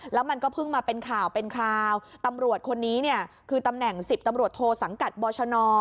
แล้วมันก็เพิ่งมาเป็นข่าวเป็นคราวตำรวจคนนี้เนี่ยคือตำแหน่ง๑๐ตำรวจโทสังกัดบชน